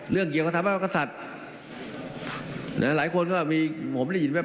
เรื่องเกี่ยวกับความต้องการสัดหลายคนก็มีผมได้ยินแป๊บ